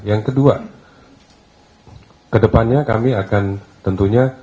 yang kedua kedepannya kami akan tentunya